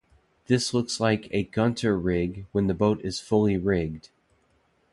This looks like a gunter rig when the boat is fully rigged.